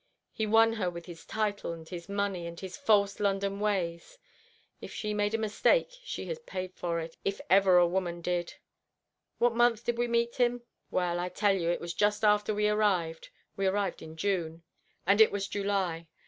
He won her with his title and his money and his false London ways. If she made a mistake she has paid for it, if ever a woman did. What month did we meet him? Well, I tell you it was just after we arrived. We arrived in June, and it was July.